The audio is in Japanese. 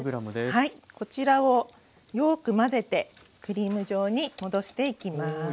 こちらをよく混ぜてクリーム状に戻していきます。